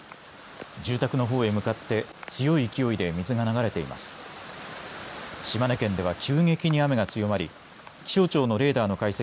住宅のほうへ向かって強い勢いで水が流れています。